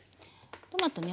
トマトね